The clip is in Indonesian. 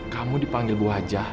kamu dipanggil bu hajah